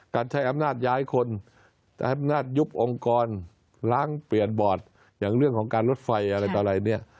การใช้อำนาจย้ายคนใช้อำนาจยุบองค์กรล้างเปลี่ยนบอร์ดอย่างเรื่องของการลดไฟอะไรต่ออะไรเนี่ย